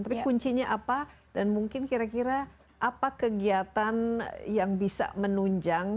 tapi kuncinya apa dan mungkin kira kira apa kegiatan yang bisa menunjang